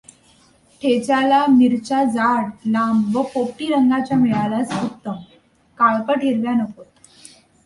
ठेच्याला मिरच्या जाड, लांब व पोपटी रंगाच्या मिळाल्यास उत्तम काळपट हिरव्या नकोत